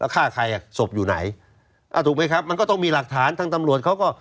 ฆ่าใครอ่ะศพอยู่ไหนอ่าถูกไหมครับมันก็ต้องมีหลักฐานทางตำรวจเขาก็